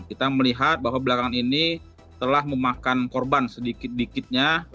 kita melihat bahwa belakangan ini telah memakan korban sedikit dikitnya